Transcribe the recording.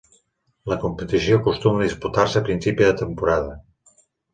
La competició acostuma a disputar-se a principi de temporada.